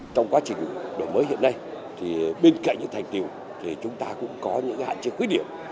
với hiện nay bên cạnh những thành tiêu chúng ta cũng có những hạn chế khuyết điểm